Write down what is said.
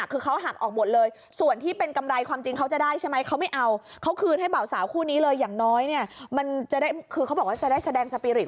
เขาบอกว่าจะได้แสดงสปีริต